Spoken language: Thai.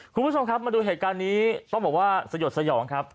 คุณผู้ชมครับมาดูเหตุการณ์นี้ต้องบอกว่าสยดสยองครับ